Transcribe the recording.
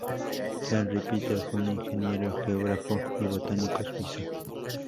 Henri Pittier fue un ingeniero, geógrafo y botánico suizo.